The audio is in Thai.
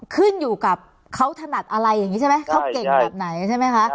อ๋อขึ้นอยู่กับเขาถนัดอะไรอย่างนี้จ๊ะไหมเขาเก่งอย่างนี้ตลมานี้ใช่ไหมคะ